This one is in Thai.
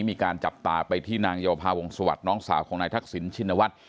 มีการจับตาไปที่นางเยาวภาวงศวรรค์น้องสาวของนายทักษิณชินวัฒน์